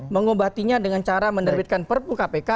mengobatinya dengan cara menerbitkan perpu kpk